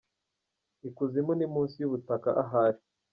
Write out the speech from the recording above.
I kuzimu ni munsi y’ubutaka – ahari!.